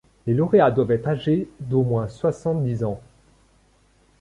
Les lauréats doivent être âgés d'au moins soixante-dix ans.